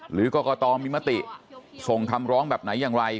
หรือกรกตมีมติส่งคำร้องแบบไหนอย่างไร